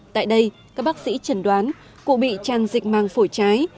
tại đây các bác sĩ chẩn đoán cụ bị tràn dịch màng phổi trái